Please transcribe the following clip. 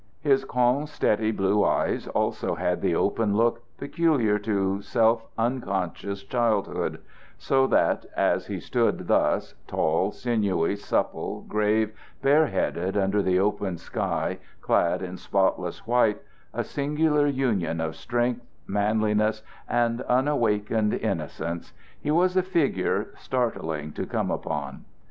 His calm, steady blue eyes, also, had the open look peculiar to self unconscious childhood; so that as he stood thus, tall, sinewy, supple, grave, bareheaded under the open sky, clad in spotless white, a singular union of strength, manliness, and unawakened innocence, he was a figure startling to come upon.